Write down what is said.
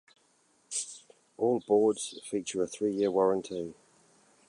All boards feature a three year warranty.